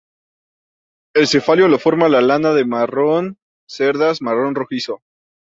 El cefalio lo forma de lana marrón y cerdas marrón rojizo.